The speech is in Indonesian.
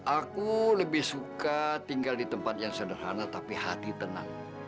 aku lebih suka tinggal di tempat yang sederhana tapi hati tenang